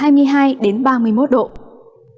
hẹn gặp lại các bạn trong những video tiếp theo